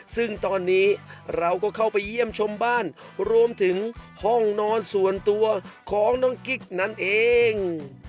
ซึ่งตอนนี้เราก็เข้าไปเยี่ยมชมบ้านรวมถึงห้องนอนส่วนตัวของน้องกิ๊กนั่นเอง